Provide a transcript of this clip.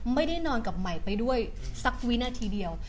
ไม่ได้นอนกับใหม่ไปด้วยสักวินาทีเดียว